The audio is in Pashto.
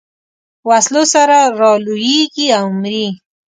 وسلو سره رالویېږي او مري.